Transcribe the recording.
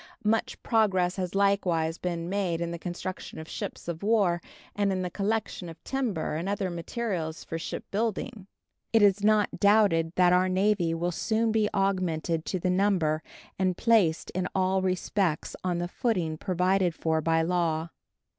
Much progress has likewise been made in the construction of ships of war and in the collection of timber and other materials for ship building. It is not doubted that our Navy will soon be augmented to the number and placed in all respects on the footing provided for by law.